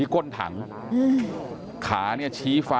กลุ่มตัวเชียงใหม่